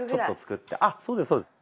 あっそうですそうです。